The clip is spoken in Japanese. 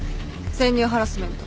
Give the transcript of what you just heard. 潜入ハラスメント。